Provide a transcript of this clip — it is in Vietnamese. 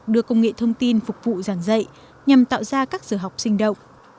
được công nghệ thông tin phục vụ giảng dạy nhằm tạo ra các giới học sinh động